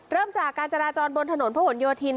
เริ่มจากการจราจรบนถนนพระหลโยธิน